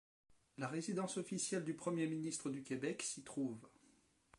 La résidence officielle du premier ministre du Québec s'y trouve.